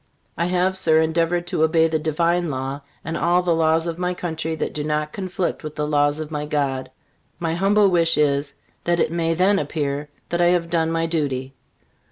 I have, Sir, endeavored to obey the Divine law and all the laws of my country that do not conflict with the laws of my God. My humble wish is, that it may then appear that I have done my duty.